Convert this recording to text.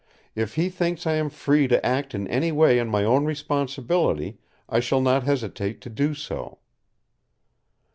If he thinks I am free to act in any way on my own responsibility, I shall not hesitate to do so."